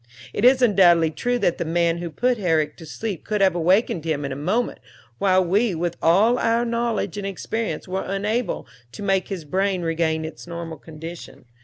It is undoubtedly true that the man who put Herrick to sleep could have wakened him in a moment, while we, with all our knowledge and experience, were unable to make his brain regain its normal condition.